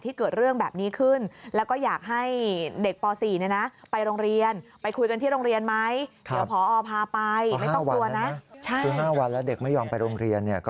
ทางพอเพราะคือพอสิริวิมนต์ทองเชิด